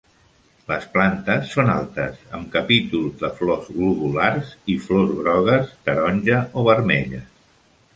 Les plantes són altes amb capítols de flors globulars i flors grogues, taronja o vermelles.